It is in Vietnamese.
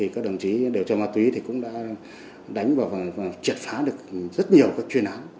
các đồng chí điều tra ma túy cũng đã đánh vào và triệt phá được rất nhiều chuyện